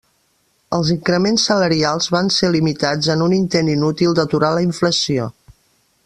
Els increments salarials van ser limitats en un intent inútil d'aturar la inflació.